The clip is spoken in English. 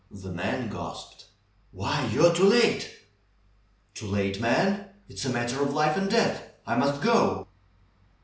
The man gasped. "Why, you're too late !" "Too late, man ! It's a matter of life and death. I must go!"